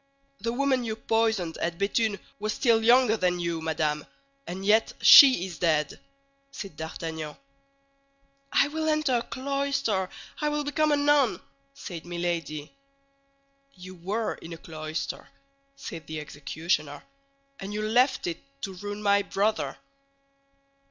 "The woman you poisoned at Béthune was still younger than you, madame, and yet she is dead," said D'Artagnan. "I will enter a cloister; I will become a nun," said Milady. "You were in a cloister," said the executioner, "and you left it to ruin my brother."